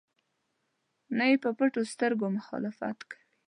نه یې په پټو سترګو مخالفت کوي.